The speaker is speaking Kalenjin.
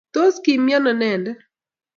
Tos kimiano inendet?